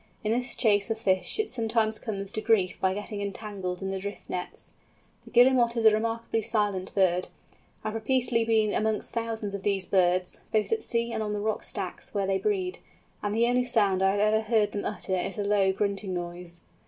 In this chase of fish it sometimes comes to grief by getting entangled in the drift nets. The Guillemot is a remarkably silent bird. I have repeatedly been amongst thousands of these birds, both at sea and on the rock stacks where they breed, and the only sound I have ever heard them utter is a low, grunting noise.